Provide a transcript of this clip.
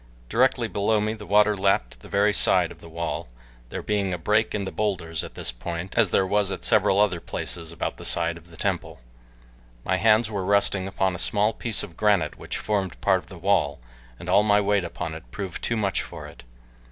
Directly below me the water lapped the very side of the wall, there being a break in the bowlders at this point as there was at several other places about the side of the temple. My hands were resting upon a small piece of granite which formed a part of the wall, and all my weight upon it proved too much for it.